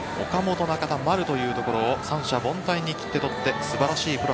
岡本、中田、丸というところを三者凡退に切ってとって素晴らしい